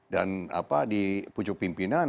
dan di pucuk pimpinan